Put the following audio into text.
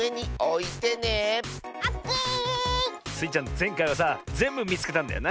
ぜんかいはさぜんぶみつけたんだよな。